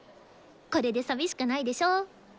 これで寂しくないでしょ？